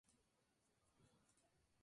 Antenor decide expandir sus negocios.